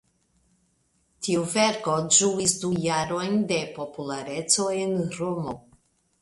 Tiu verko ĝuis du jarojn de populareco en Romo.